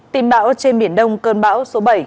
tìm bão trên biển đông cơn bão số bảy